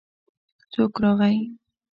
څوک راغی.